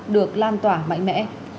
được lan tỏa mạnh mẽ